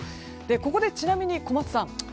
ここでちなみに、小松さん